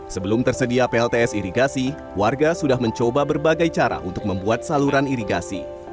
sebelum tersedia plts irigasi warga sudah mencoba berbagai cara untuk membuat saluran irigasi